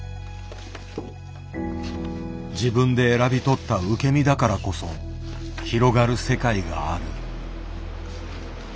自分で選び取った受け身だからこそ広がる世界がある。